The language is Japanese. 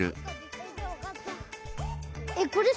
えっこれさ